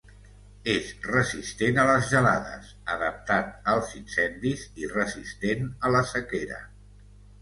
És resistent a les gelades, adaptat als incendis i resistent a la sequera.